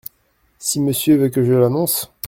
Si Monsieur veut que je l’annonce ?